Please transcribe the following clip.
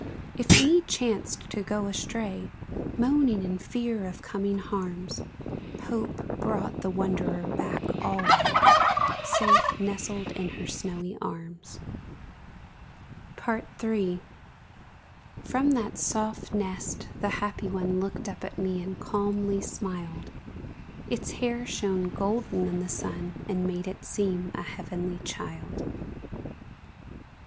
If any chanced to go astray, Moaning in fear of coming harms, Hope brought the wanderer back alway, Safe nestled in her snowy arms. III. From that soft nest the happy one Looked up at me and calmly smiled; Its hair shone golden in the sun, And made it seem a heavenly child.